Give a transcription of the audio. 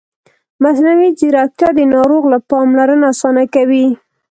مصنوعي ځیرکتیا د ناروغ پاملرنه اسانه کوي.